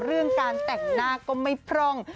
เรื่องการแต่งหน้าก็ไม่พร่อง